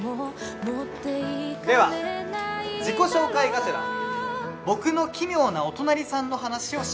では自己紹介がてら僕の奇妙なお隣さんの話をします。